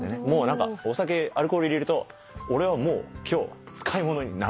何かお酒アルコール入れると俺はもう今日使い物にならんぞと。